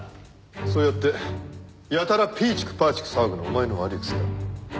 そうやってやたらピーチクパーチク騒ぐのお前の悪い癖だ。